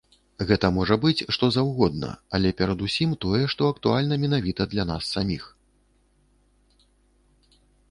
Гэта можа быць што заўгодна, але перадусім, тое, што актуальна менавіта для нас саміх.